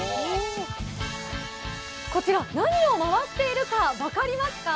こちら何を回しているか分かりますか？